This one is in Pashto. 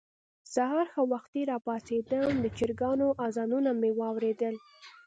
سهار ښه وختي راپاڅېدم، د چرګانو اذانونه مې واورېدل.